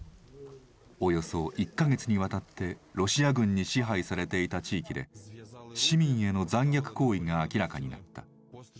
およそ１か月にわたってロシア軍に支配されていた地域で市民への残虐行為が明らかになった。